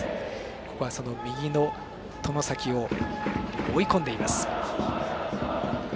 ここは、その右の外崎を追い込んでいます。